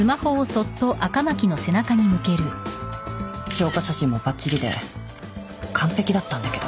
証拠写真もばっちりで完璧だったんだけど。